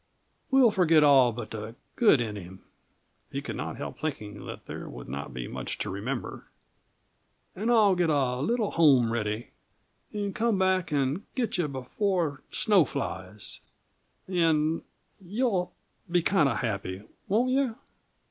We'll forget all but the good in him" he could not help thinking that there would not be much to remember "and I'll get a little home ready, and come back and get you before snow flies and you'll be kind of happy, won't you?